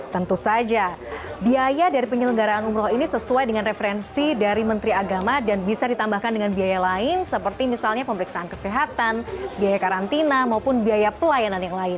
tentu saja biaya dari penyelenggaraan umroh ini sesuai dengan referensi dari menteri agama dan bisa ditambahkan dengan biaya lain seperti misalnya pemeriksaan kesehatan biaya karantina maupun biaya pelayanan yang lain